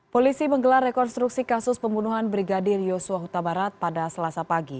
polisi menggelar rekonstruksi kasus pembunuhan brigadir yosua huta barat pada selasa pagi